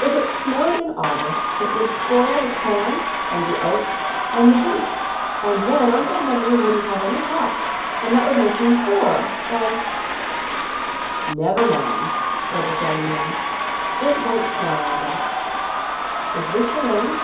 "If it snowed in August it would spoil the corn and the oats and the wheat; and then Uncle Henry wouldn't have any crops; and that would make him poor; and " "Never mind," said the shaggy man. "It won't snow, I guess. Is this the lane?"